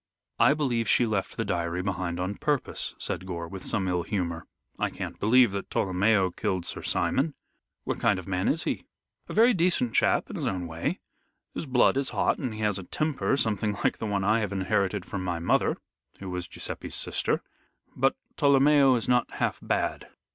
"I believe she left the diary behind on purpose," said Gore, with some ill humor. "I can't believe that Tolomeo killed Sir Simon." "What kind of man is he?" "A very decent chap in his own way. His blood is hot, and he has a temper something like the one I have inherited from my mother, who was Guiseppe's sister. But Tolomeo is not half bad.